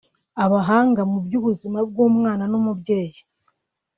Abahanga mu by’ubuzima bw’umwana n’umubyeyi